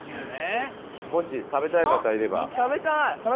もし食べたい方いれば。